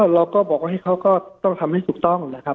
เราก็บอกว่าเขาก็ต้องทำให้ถูกต้องนะครับ